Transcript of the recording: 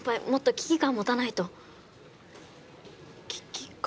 危機感。